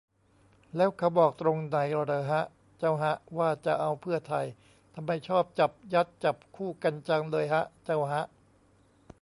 แล้วเขาบอกตรงไหนเหรอฮะ เจ้าฮะ ว่าจะเอาเพื่อไทย ทำไมชอบจับยัดจับคู่กันจังเลยฮะ เจ้าฮะ